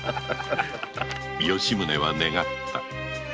吉宗は願った。